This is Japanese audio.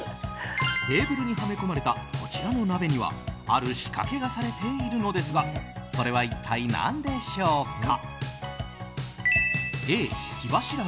テーブルにはめ込まれたこちらの鍋にはある仕掛けがされているのですがそれは一体何でしょうか？